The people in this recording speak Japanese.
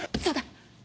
そうだ。